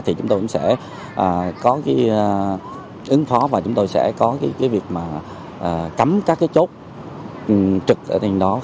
thì chúng tôi cũng sẽ có cái ứng phó và chúng tôi sẽ có cái việc mà cấm các cái chốt trực ở trên đó